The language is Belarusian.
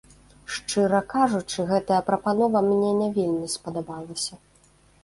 Шчыра кажучы, гэтая прапанова мне не вельмі спадабалася.